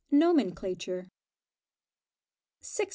NOMENCLATURE. 605.